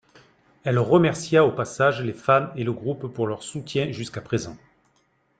Elle remercia au passage les fans et le groupe pour leur soutien jusqu'à présent.